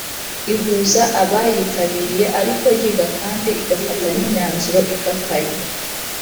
ihuza abayitabiriye ariko yiga kandi igafata nimyanzuro ikakaye.